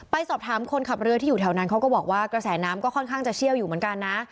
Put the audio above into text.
ไปสอบถามคนขับเรือที่อยู่แถวนั้นเขาก็บอกว่ากระแสน้ำก็ค่อนข้างจะเชี่ยวอยู่เหมือนกันนะ